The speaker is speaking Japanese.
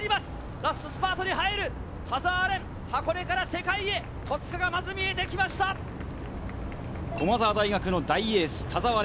ラストスパートに入る田澤廉、箱根から世界へ、戸塚がまず見え駒澤大学の大エース、田澤廉。